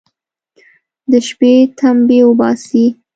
د شپې تمبې اوباسي.